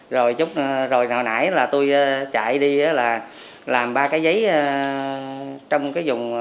rồi hồi nãy là tôi chạy đi là làm ba cái giấy trong cái vùng